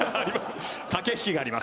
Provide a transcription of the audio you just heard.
駆け引きがあります。